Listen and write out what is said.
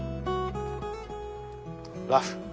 ラフ。